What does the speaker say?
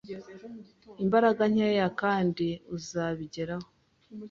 Imbaraga nkeya, kandi uzabigeraho